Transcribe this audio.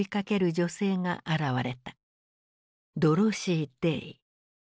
ドロシー・デイ。